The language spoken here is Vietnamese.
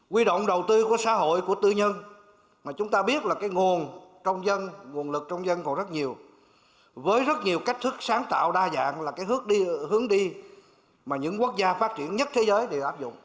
với rất nhiều cách thức sáng tạo đa dạng là cái hướng đi mà những quốc gia phát triển nhất thế giới đều áp dụng